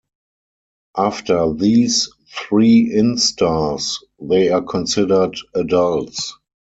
After these three instars, they are considered adults.